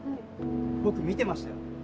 僕見てましたよ。